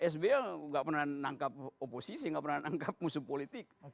sby gak pernah menangkap oposisi gak pernah menangkap musuh politik